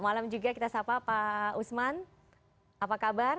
malam juga kita sapa pak usman apa kabar